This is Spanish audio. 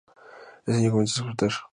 Ese año comenzó a exportar.